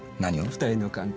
二人の関係。